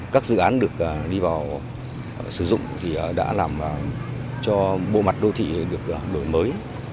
các dự án được đi vào sử dụng thì đã làm cho bộ mặt đô thị được đổi mới